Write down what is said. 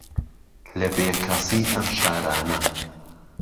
لە بێکەسی ئەم شارانە